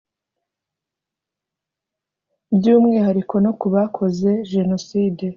By’umwihariko no ku bakoze jenoside